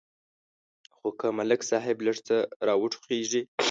خو که ملک صاحب لږ څه را وټوخېږي.